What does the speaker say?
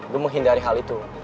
gue mau hindari hal itu